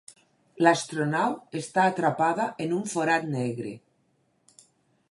L'astronau està atrapada en un forat negre.